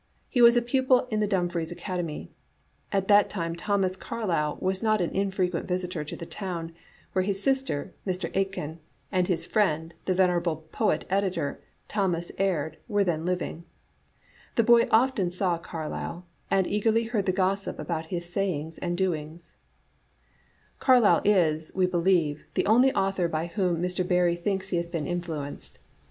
He was a pupil in the Dumfries Academy. At that time Thomas Carlyle was a not infrequent visitor to the town, where his sister, Mrs. Aitken, and his friend, the venerable poet editor, Thomas Aird, were then living. The boy often saw Carlyle, and eagerly heard the gossip about his sayings and doings. Digitized by VjOOQ IC }• A. 3Bartfe* xi Carlyle is, we believe, the only author by whom Mr. Barrie thinks he has been influenced.